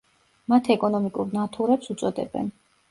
მათ ეკონომიკურ ნათურებს უწოდებენ.